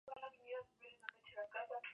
Countdown" y "Show Champion".